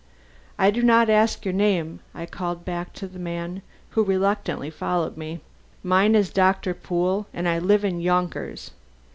'I do not ask your name,' I called back to the man who reluctantly followed me. 'Mine is Doctor Pool and I live in Yonkers.'